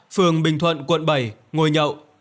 phường bình thuận quận bảy ngồi nhậu